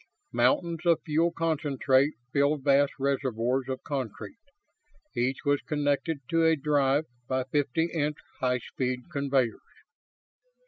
Mountains of fuel concentrate filled vast reservoirs of concrete. Each was connected to a drive by fifty inch high speed conveyors.